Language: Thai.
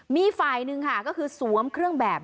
มีฝ่ายหนึ่งค่ะก็คือสวมเครื่องแบบ